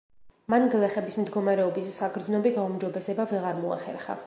მან გლეხების მდგომარეობის საგრძნობი გაუმჯობესება ვეღარ მოახერხა.